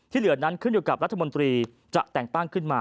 เหลือนั้นขึ้นอยู่กับรัฐมนตรีจะแต่งตั้งขึ้นมา